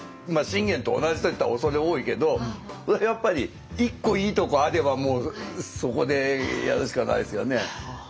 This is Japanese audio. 信玄と同じと言ったら畏れ多いけどそれはやっぱり１個いいとこあればそこでやるしかないですよね。